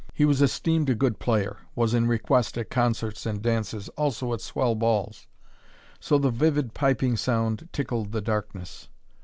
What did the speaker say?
He was esteemed a good player: was in request at concerts and dances, also at swell balls. So the vivid piping sound tickled the darkness.